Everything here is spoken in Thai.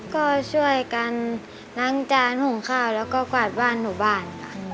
ก็ช่วยกันล้างจานหุงข้าวแล้วก็กวาดบ้านหนูบ้านค่ะ